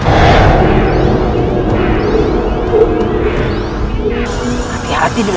aku tidak percaya